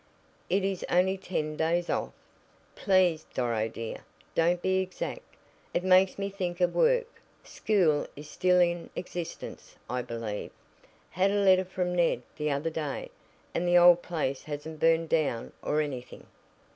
it is only ten days off." "Please, Doro, dear, don't be exact. It makes me think of work school is still in existence, I believe. Had a letter from 'Ned' the other day, and the old place hasn't burned down, or anything."